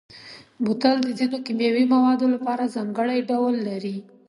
بوتل د ځینو کیمیاوي موادو لپاره ځانګړی ډول لري.